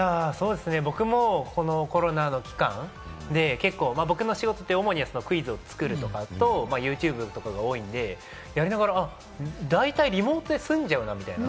僕もコロナの期間で、僕の仕事って主にクイズを作るとか、ユーチューブとかが多いので、やりながら、大体リモートで済んじゃうなみたいな。